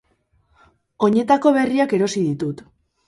Oinetako berriak erosi ditut